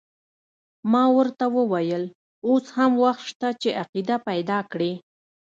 ما ورته وویل اوس هم وخت شته چې عقیده پیدا کړې.